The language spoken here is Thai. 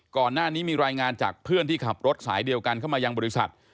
ก่อนหน้านี้มีรายงานจากเพื่อนที่ขับรถสายเดียวกันเข้ามายังบริษัท